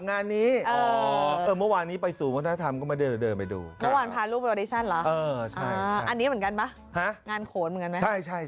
อันนี้เหมือนกันไหมงานโขนเหมือนกันไหม